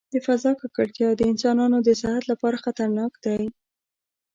د فضا ککړتیا د انسانانو د صحت لپاره خطرناک دی.